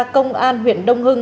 công an huyện đông hưng